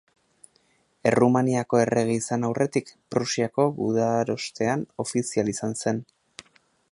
Errumaniako errege izan aurretik Prusiako gudarostean ofizial izan zen.